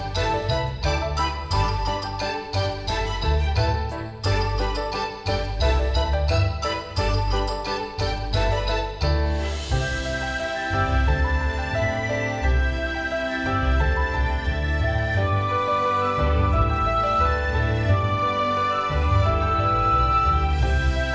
โปรดติดตามตอนตอนต่อไป